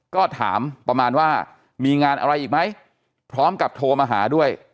ก็ถามประมาณว่ามีงานอะไรอีกไหมพร้อมกับโทรมาหาด้วย